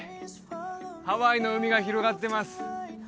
ハワイの海が広がってます